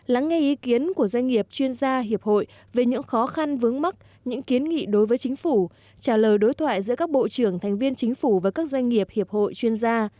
lắng nghe ý kiến của doanh nghiệp chuyên gia hiệp hội về những khó khăn vướng mắt những kiến nghị đối với chính phủ trả lời đối thoại giữa các bộ trưởng thành viên chính phủ và các doanh nghiệp hiệp hội chuyên gia